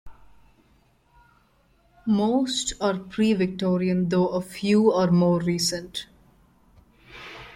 Most are pre-Victorian though a few are more recent.